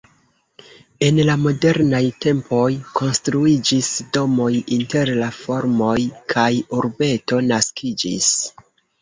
En la modernaj tempoj konstruiĝis domoj inter la farmoj kaj urbeto naskiĝis.